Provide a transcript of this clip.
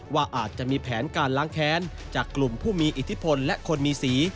ว่าอาจจะมีแผนการล้างแค้นจากกลุ่มผู้มีอิทธิพลและคนมีสี